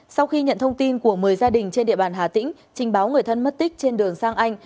sau khi nhận thông tin của một mươi gia đình trên địa bàn hà tĩnh trình báo người thân mất tích trên đường sang anh